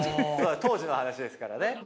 当時の話ですからね。